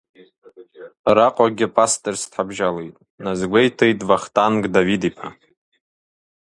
Араҟагьы Пастерс дҳабжьалеит, назгәеиҭеит Вахтанг Давид-иԥа.